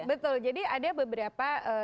betul jadi ada beberapa